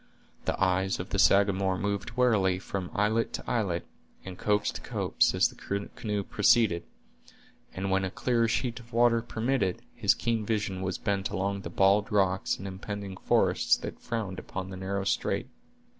The eyes of the Sagamore moved warily from islet to islet, and copse to copse, as the canoe proceeded; and, when a clearer sheet of water permitted, his keen vision was bent along the bald rocks and impending forests that frowned upon the narrow strait.